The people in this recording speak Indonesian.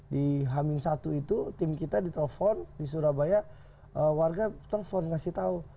di h satu itu tim kita ditelepon di surabaya warga telepon ngasih tahu